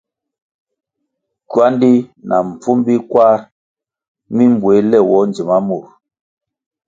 Kywandi na mpfumbi kwar mi mbuéh léwoh ndzima mur.